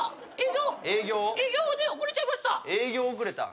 営業で遅れちゃいました。